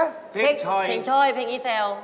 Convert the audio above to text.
เพลงช่อยเพลงนี้แซว